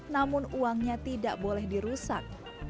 namun uangnya tidak boleh dirusak